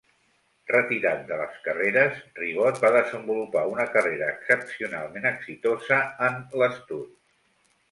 Retirat de les carreres, Ribot va desenvolupar una carrera excepcionalment exitosa en "l'stud".